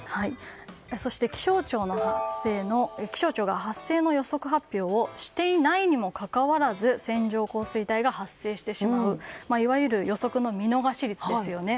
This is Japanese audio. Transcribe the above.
そして気象庁が発生の予測発表をしていないにもかかわらず線状降水帯が発生してしまういわゆる予測の見逃し率ですね。